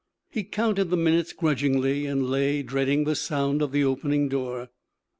He counted the minutes grudgingly, and lay dreading the sound of the opening door.